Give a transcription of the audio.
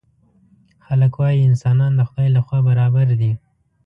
خلک وايي انسانان د خدای له خوا برابر دي.